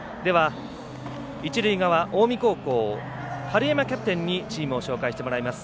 一塁側、近江高校春山キャプテンにチームを紹介してもらいます。